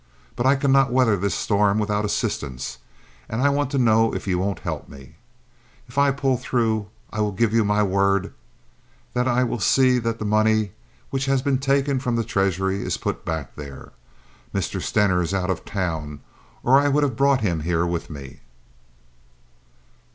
But I cannot weather this storm without assistance, and I want to know if you won't help me. If I pull through I will give you my word that I will see that the money which has been taken from the treasury is put back there. Mr. Stener is out of town or I would have brought him here with me."